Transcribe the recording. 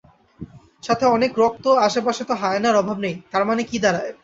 সাথে অনেক রক্ত আশেপাশে তো হায়েনার অভাব নেই তার মানে কি দাঁড়ায়?